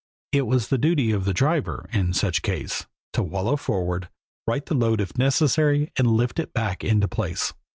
It was the duty of the driver, in such case, to wallow forward, right the load if necessary, and lift it back into place.